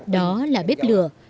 đó là bếp lửa